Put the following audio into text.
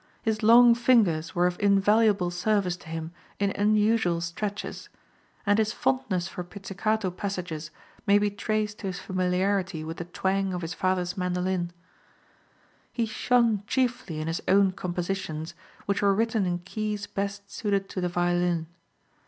His long fingers were of invaluable service to him in unusual stretches, and his fondness for pizzicato passages may be traced to his familiarity with the twang of his father's mandolin. He shone chiefly in his own compositions, which were written in keys best suited to the violin.